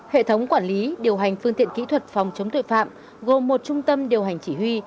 hệ thống quản lý điều hành phương tiện kỹ thuật phòng chống tội phạm gồm một trung tâm điều hành chỉ huy